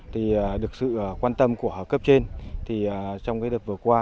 thì được sự quan tâm của cấp trên thì trong cái đợt vừa qua